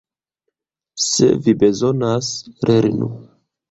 Se vi bezonas lernu.